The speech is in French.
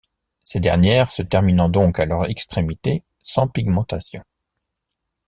Ces dernières se terminant donc à leur extrémité sans pigmentation.